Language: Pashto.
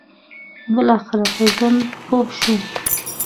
بالاخره په ژوند پوه شو.